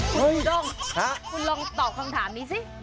โอ้โฮจ้องคุณลองตอบคำถามนี้สิค่ะโอ้โฮจ้องค่ะ